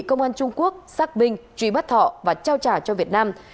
công an trung quốc xác minh truy bắt thọ và trao trả cho việt nam